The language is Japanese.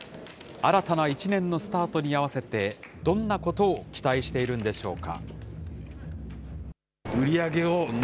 新たな一年のスタートに合わせて、どんなことを期待しているんでしょうか。